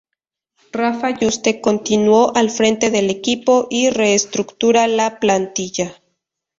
Rafa Yuste continuó al frente del equipo, y reestructura la plantilla.